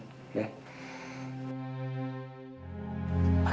ayo dit segera berhenti lambat